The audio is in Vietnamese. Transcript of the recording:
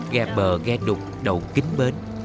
ghe bờ ghe đục đậu kính bên